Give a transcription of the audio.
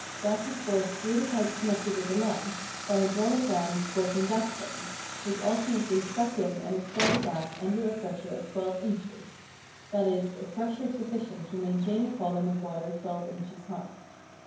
Gas is forced through the pipes connected with the lamps by hydraulic rams working gas pumps, which alternately suck in and expel the gas under a pressure of twelve inches (i.e. a pressure sufficient to maintain a column of water twelve inches high).